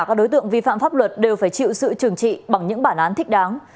tất cả các đối tượng vi phạm pháp luật đều phải chịu sự trưởng trị bằng những bản án thích đáng